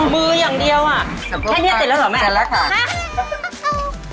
มืออย่างเดียวอ่ะแค่นี้ติดแล้วเหรอแม่ติดแล้วค่ะ